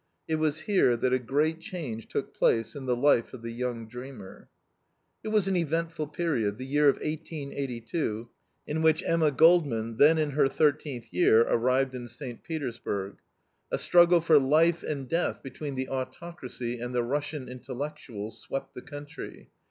It was here that a great change took place in the life of the young dreamer. It was an eventful period the year of 1882 in which Emma Goldman, then in her 13th year, arrived in St. Petersburg. A struggle for life and death between the autocracy and the Russian intellectuals swept the country.